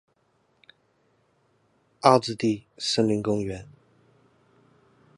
凹子底森林公園